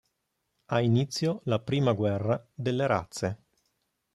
Ha inizio la Prima Guerra delle Razze.